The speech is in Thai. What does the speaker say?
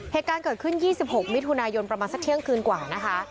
เหตุการณ์เกิดขึ้น๒๖มิถุนายนประมาณสักเที่ยงคืนกว่านะคะ